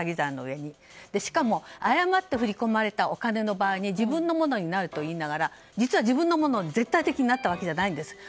しかも誤って振り込まれたお金は自分のものになるといいながら実は自分のものに絶対的になったわけじゃないんです。